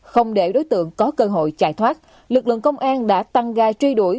không để đối tượng có cơ hội chạy thoát lực lượng công an đã tăng ga truy đuổi